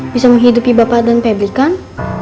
bisa menghidupi bapak dan febri kan